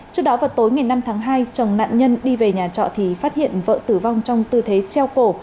trước đó vào tối ngày năm tháng hai chồng nạn nhân đi về nhà trọ thì phát hiện vợ tử vong trong tư thế treo cổ